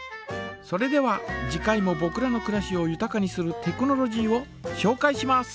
それでは次回もぼくらのくらしをゆたかにするテクノロジーをしょうかいします。